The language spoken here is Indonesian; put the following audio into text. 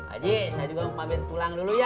aji saya juga mau pabit pulang dulu ya